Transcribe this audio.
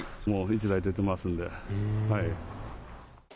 もう１台出てますんで。